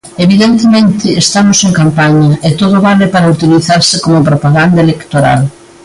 Evidentemente, estamos en campaña e todo vale para utilizarse como propaganda electoral.